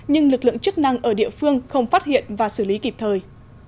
nhưng lực lượng chức năng ở địa phương không phát hiện và xử lý kịp thời